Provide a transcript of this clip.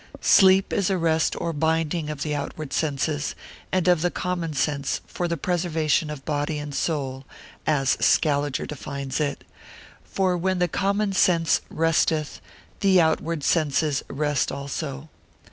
Sleep is a rest or binding of the outward senses, and of the common sense, for the preservation of body and soul (as Scaliger defines it); for when the common sense resteth, the outward senses rest also.